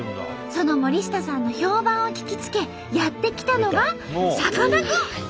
その森下さんの評判を聞きつけやって来たのがさかなクン！